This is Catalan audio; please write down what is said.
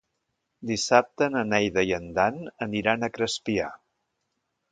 Dissabte na Neida i en Dan aniran a Crespià.